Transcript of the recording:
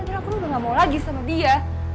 akhirnya aku udah gak mau lagi sama dia